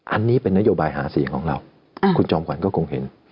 อันนี้เป็นนโยบายหาเสียงของเราคุณจอมขวัญก็คงเห็น